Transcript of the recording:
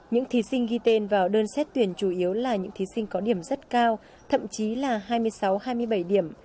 những thí sinh ghi tên vào đơn xét tuyển chủ yếu là những thí sinh có điểm rất cao thậm chí là hai mươi sáu hai mươi bảy điểm